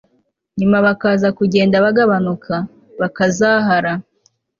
nyuma bakaza kugenda bagabanuka, bakazahara